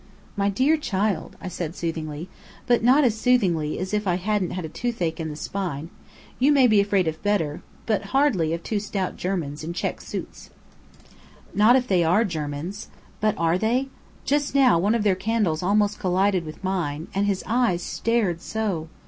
"My dear child," I said soothingly, but not as soothingly as if I hadn't had toothache in the spine, "you may be afraid of Bedr, but hardly of two stout Germans in check suits." "Not if they are Germans. But are they? Just now one of their candles almost collided with mine, and his eyes stared so!